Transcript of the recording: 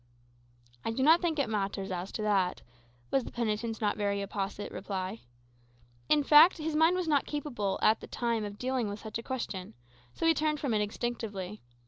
"I do not think it matters, as to that," was the penitent's not very apposite reply. In fact, his mind was not capable, at the time, of dealing with such a question; so he turned from it instinctively.